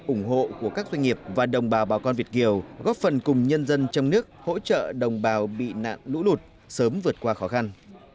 ủng hộ của các doanh nghiệp và đồng bào bà con việt kiều góp phần cùng nhân dân trong nước hỗ trợ đồng bào bị nạn lũ lụt sớm vượt qua khó khăn